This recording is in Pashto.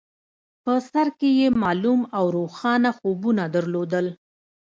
په سر کې يې معلوم او روښانه خوبونه درلودل.